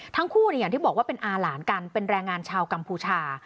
อย่างที่บอกว่าเป็นอาหลานกันเป็นแรงงานชาวกัมพูชา